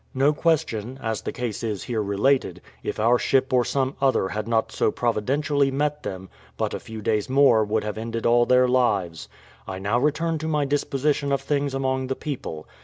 No question, as the case is here related, if our ship or some other had not so providentially met them, but a few days more would have ended all their lives. I now return to my disposition of things among the people.